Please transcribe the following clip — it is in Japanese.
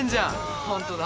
ホントだ。